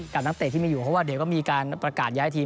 นักเตะที่มีอยู่เพราะว่าเดี๋ยวก็มีการประกาศย้ายทีม